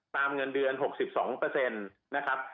ตามเงินเดือน๖๒